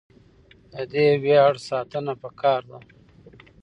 د دې ویاړ ساتنه پکار ده.